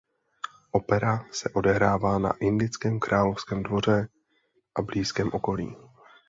Opera se odehrává na indickém královském dvoře a blízkém okolí.